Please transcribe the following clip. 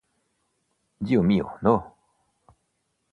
Dio mio no!